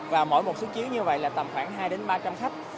và mỗi một xuất chiếu như vậy là tầm khoảng hai đến ba trăm linh khách